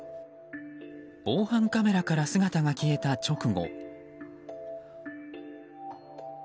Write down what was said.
防犯カメラから姿が消えた直後。